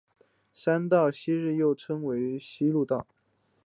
山道于昔日又俗称为希路道。